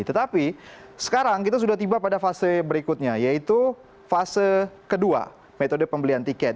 tetapi sekarang kita sudah tiba pada fase berikutnya yaitu fase kedua metode pembelian tiket